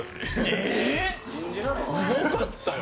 すごかったよ。